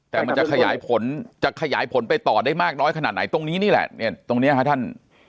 แต่มันจะขยายผลไปต่อได้มากน้อยขนาดไหนตรงนี้นี่แหละตรงนี้ค่ะท่าน